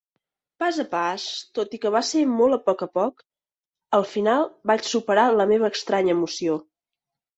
Pas a pas, tot i que va ser molt a poc a poc, al final vaig superar la meva estranya emoció.